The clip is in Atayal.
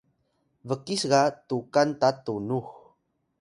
bkis ga tukan ta tunux